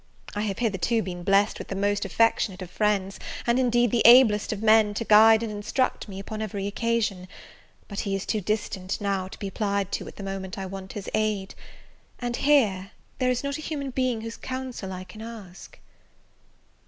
I have hitherto been blessed with the most affectionate of friends, and, indeed, the ablest of men, to guide and instruct me upon every occasion: but he is too distant, now, to be applied to at the moment I want his aid: and here, there is not a human being whose counsel I can ask."